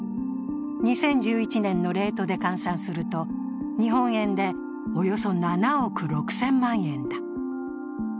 ２０１１年のレートで換算すると日本円でおよそ７億６０００万円だ。